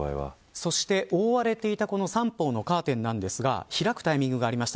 そして、覆われていた三方のカーテンですが開くタイミングがありました。